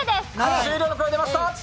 終了の声が出ました。